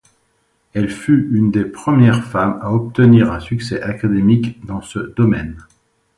Elle fut une des premières femmes à obtenir un succès académique dans ce domaine.